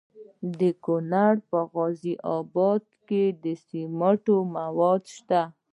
د کونړ په غازي اباد کې د سمنټو مواد شته.